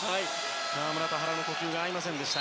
河村と原の呼吸が合いませんでした。